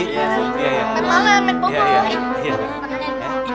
selamat malam mbak bobo